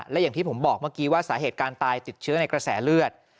และอย่างที่ผมบอกเมื่อกี้ว่าสาเหตุการณ์ตายติดเชื้อในกระแสเลือด